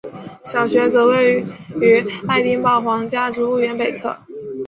小学则位于爱丁堡皇家植物园北侧。